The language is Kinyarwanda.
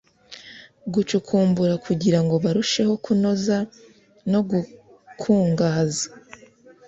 bacukumbura kugira ngo barusheho kunoza no gukungahaza